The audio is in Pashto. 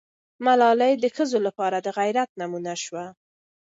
ملالۍ د ښځو لپاره د غیرت نمونه سوه.